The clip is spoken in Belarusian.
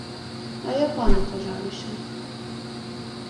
А я пану пажалюся!